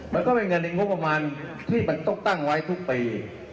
มันก็เป็นเงินในงบประมาณที่มันต้องตั้งไว้ทุกปี